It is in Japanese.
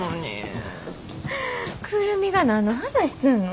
久留美が何の話すんの？